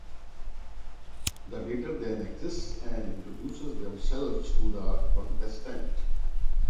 The dater then exits and introduces themselves to the contestant.